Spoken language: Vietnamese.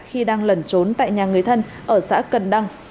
khi đang lẩn trốn tại nhà người thân ở xã cần đăng